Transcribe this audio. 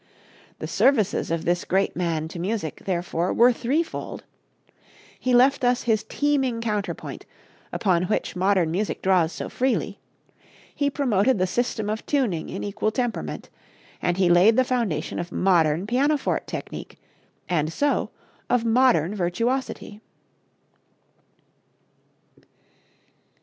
The services of this great man to music, therefore, were threefold. He left us his teeming counterpoint, upon which modern music draws so freely; he promoted the system of tuning in equal temperament; and he laid the foundation of modern pianoforte technique, and so of modern virtuosity.